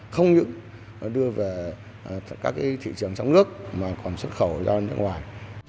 không những đưa về các cái thị trường trong nước mà còn xuất khẩu ra ngoài